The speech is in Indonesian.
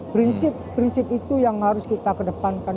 prinsip prinsip itu yang harus kita kedepankan